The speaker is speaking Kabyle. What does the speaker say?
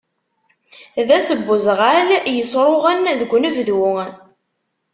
D ass n uzɣal yesruɣen deg unebdu.